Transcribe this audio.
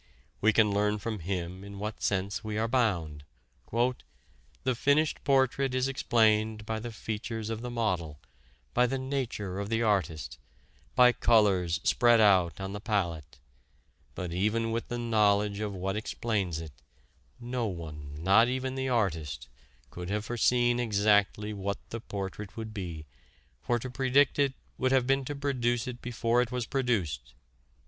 We can learn from him in what sense we are bound. "The finished portrait is explained by the features of the model, by the nature of the artist, by colors spread out on the palette; but even with the knowledge of what explains it, no one, not even the artist, could have foreseen exactly what the portrait would be, for to predict it would have been to produce it before it was produced...."